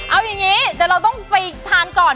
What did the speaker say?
เอาอย่างนี้แต่เราต้องไปทานก่อน